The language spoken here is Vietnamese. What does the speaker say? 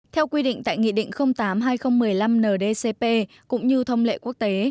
theo quy định tại nghị định tám hai nghìn một mươi năm ndcp cũng như thông lệ quốc tế